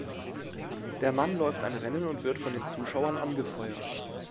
Der Mann läuft ein Rennen und wird von den Zuschauern angefeuert.